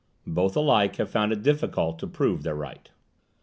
Both alike have found it difficult to prove their right.